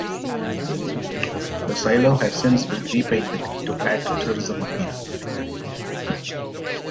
The silo has since been repainted to add to tourism appeal.